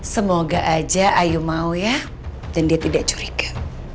semoga aja ayu mau ya dan dia tidak curiga